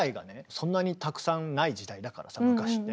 そんなにたくさんない時代だからさ昔って。